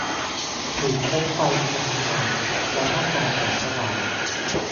ถือคบไฟมาตรงนี้หน่อย เราต้องการแสงสว่าง